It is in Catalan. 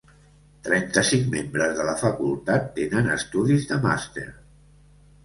Trenta-cinc membres de la facultat tenen estudis de màster.